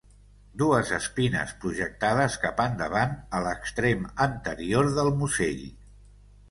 Dues espines projectades cap endavant a l'extrem anterior del musell.